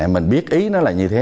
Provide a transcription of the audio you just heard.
mình biết ý nó là như thế